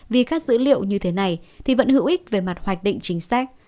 vì các dữ liệu như thế này thì vẫn hữu ích về mặt hoạch định chính xác